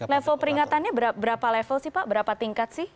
level peringatannya berapa level sih pak berapa tingkat sih